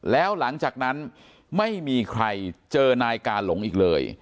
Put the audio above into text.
แล้วหลังจากนั้นไม่มีใครเจอนายกาหลงอีกเลย